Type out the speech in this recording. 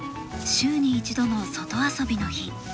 週に１度の外遊びの日。